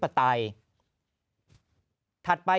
ถัดไป๒๓ครับถนนดินสอจากอนุสวรีประชาธิปไตย